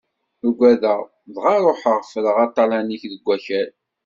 Ugadeɣ, dɣa ṛuḥeɣ ffreɣ aṭalan-ik deg wakal.